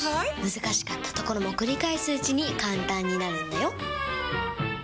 難しかったところも繰り返すうちに簡単になるんだよ！